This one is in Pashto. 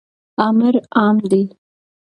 امر عام دی.